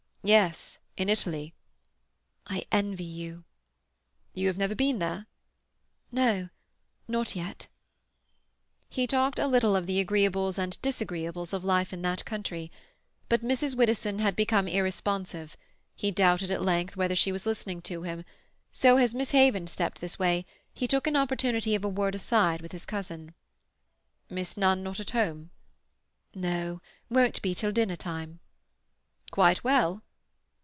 "Yes; in Italy." "I envy you." "You have never been there?" "No—not yet." He talked a little of the agreeables and disagreeables of life in that country. But Mrs. Widdowson had become irresponsive; he doubted at length whether she was listening to him, so, as Miss Haven stepped this way, he took an opportunity of a word aside with his cousin. "Miss Nunn not at home?" "No. Won't be till dinner time." "Quite well?"